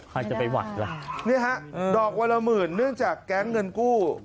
ใครจะไปไหวล่ะนี่ฮะดอกวันละหมื่นเนื่องจากแก๊งเงินกู้